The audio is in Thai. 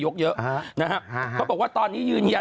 เขาบอกว่าตอนนี้ยืนยัน